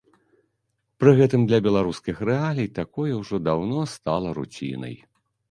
Пры гэтым для беларускіх рэалій такое ўжо даўно стала руцінай.